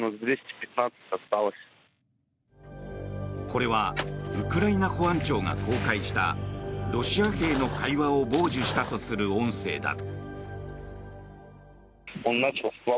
これはウクライナ保安庁が公開したロシア兵の会話を傍受したとする音声だ。